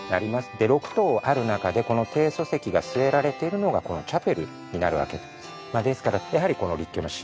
６棟ある中でこの定礎石が据えられているのがこのチャペルになるわけなんです。